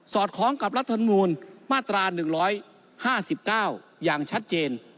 อดคล้องกับรัฐมนูลมาตรา๑๕๙อย่างชัดเจน